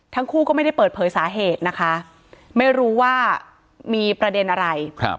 ทั้งคู่ก็ไม่ได้เปิดเผยสาเหตุนะคะไม่รู้ว่ามีประเด็นอะไร